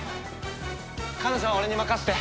彼女は俺に任せて！